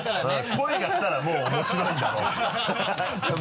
声がしたらもう面白いんだろう。